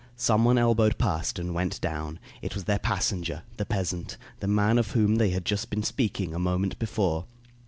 Some one elbowed past and went down. It was their passenger, the peasant, the man of whom they had just been speaking a moment before.